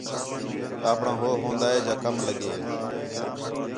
اپݨا ہو ہون٘دا ہے جا کم لڳے